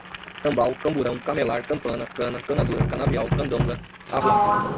cambau, camburão, camelar, campana, cana, cana dura, canavial, candonga, arruaça